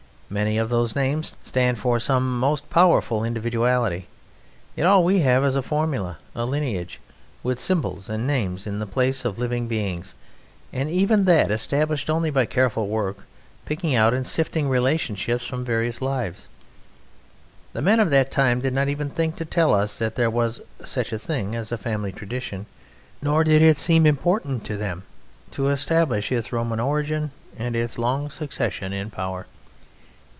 Many of those names stand for some most powerful individuality, yet all we have is a formula, a lineage, with symbols and names in the place of living beings, and even that established only by careful work, picking out and sifting relationships from various lives. The men of that time did not even think to tell us that there was such a thing as a family tradition, nor did it seem important to them to establish its Roman origin and its long succession in power.